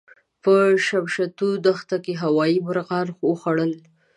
په شمشتو دښته کې هوايي مرغانو وخوړل.